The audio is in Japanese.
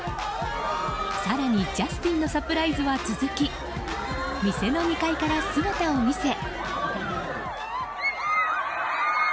更にジャスティンのサプライズは続き店の２階から姿を見せ。